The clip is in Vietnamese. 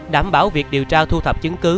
đảm bảo việc điều tra thu thập chứng cứ